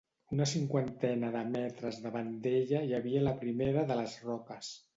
Una cinquantena de metres davant d'ella hi havia la primera de les roques.